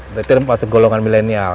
berarti termasuk golongan milenial